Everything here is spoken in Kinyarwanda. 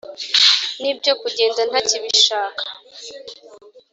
n’ibyo kugenda ntakibishaka